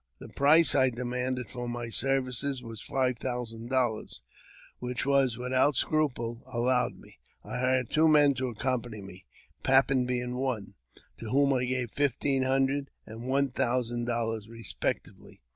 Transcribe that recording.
The price I de manded for my services was five thousand dollars, which was, without scruple, allowed me. I hired two men to accompany me (Pappen being one), to whom I gave fifteen hundred and one thousand dollars respectively.